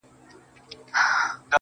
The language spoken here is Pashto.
زموږ وطن كي اور بل دی~